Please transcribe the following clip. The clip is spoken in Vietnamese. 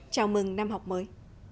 chào mừng năm học mới